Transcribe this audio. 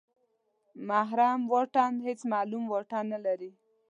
محرم واټن هېڅ معلوم واټن نلري.